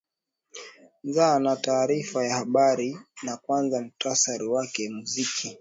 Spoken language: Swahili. nza na taarifa ya habari na kwanza muktasari wake muziki